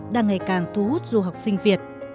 đang ngày càng thu hút du học sinh việt